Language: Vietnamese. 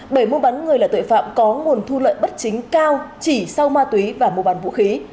bởi mua bắn người là tội phạm có nguồn thu lợi bất chính cao chỉ sau ma túy và mua bán vũ khí